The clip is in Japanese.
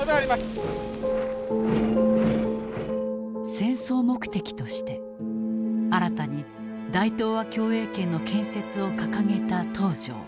戦争目的として新たに大東亜共栄圏の建設を掲げた東條。